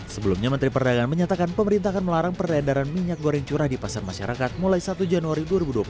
sebelumnya menteri perdagangan menyatakan pemerintah akan melarang peredaran minyak goreng curah di pasar masyarakat mulai satu januari dua ribu dua puluh satu